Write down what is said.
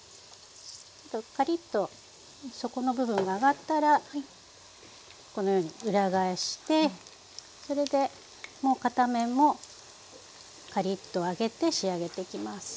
カリッと底の部分が揚がったらこのように裏返してそれでもう片面もカリッと揚げて仕上げていきます。